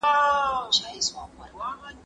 ستا انځورونه په ګلونو کي وماته ښکاري